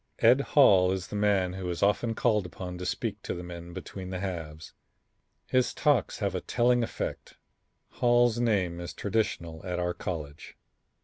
Ed Hall is the man who is often called upon to speak to the men between the halves. His talks have a telling effect. Hall's name is traditional at our college."